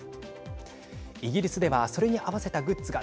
イギリスではそれに合わせたグッズが